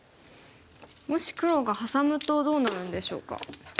もし黒がハサむとどうなるんでしょうか。